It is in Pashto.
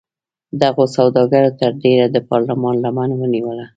دغو سوداګرو تر ډېره د پارلمان لمن ونیوله.